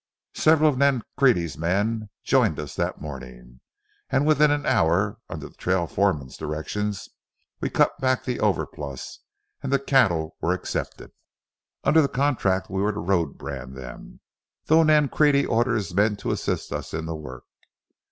Several of Nancrede's men joined us that morning, and within an hour, under the trail foreman's directions, we cut back the overplus, and the cattle were accepted. Under the contract we were to road brand them, though Nancrede ordered his men to assist us in the work.